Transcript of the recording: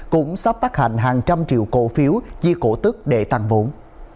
cũng sắp phát hành hàng trăm triệu cổ phiếu chi cổ tức để tăng vốn